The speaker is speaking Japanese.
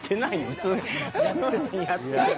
普通にやって。